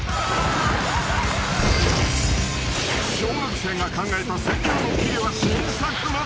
［小学生が考えた川柳ドッキリは新作祭り］